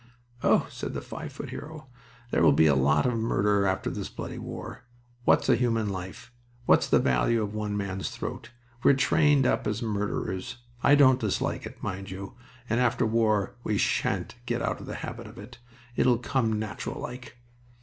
"Oh," said that five foot hero, "there will be a lot of murder after this bloody war. What's human life? What's the value of one man's throat? We're trained up as murderers I don't dislike it, mind you and after the war we sha'n't get out of the habit of it. It'll come nat'ral like!"